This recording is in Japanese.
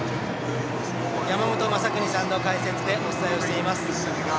山本昌邦さんの解説でお伝えしています。